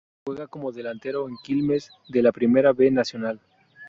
Juega como delantero en Quilmes de la Primera B Nacional.